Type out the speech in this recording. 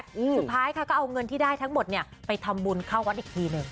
สุดท้ายค่ะก็เอาเงินที่ได้ทั้งหมดเนี้ยไปทำบุญเข้าวัดอีกทีหนึ่ง